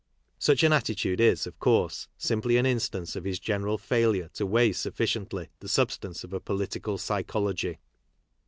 Such an attitude is, of course, simply an instance! of his general failure to weigh sufficiently the substance j of a political psychology.